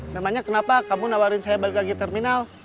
namanya kenapa kamu nawarin saya balik lagi terminal